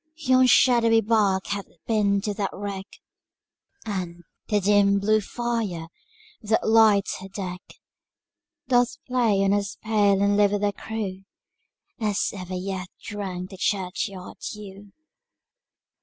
Yon shadowy bark hath been to that wreck, And the dim blue fire, that lights her deck, Doth play on as pale and livid a crew, As ever yet drank the churchyard dew.